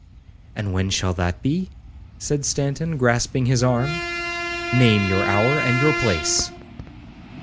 '—'And when shall that be?' said Stanton, grasping his arm; 'name your hour and your place.'